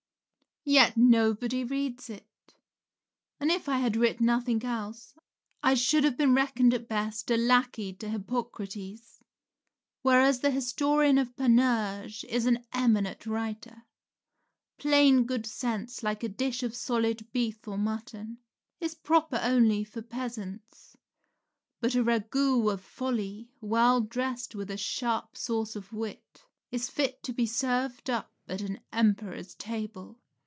Yet nobody reads it; and if I had writ nothing else, I should have been reckoned, at best, a lackey to Hippocrates, whereas the historian of Panurge is an eminent writer. Plain good sense, like a dish of solid beef or mutton, is proper only for peasants; but a ragout of folly, well dressed with a sharp sauce of wit, is fit to be served up at an emperor's table.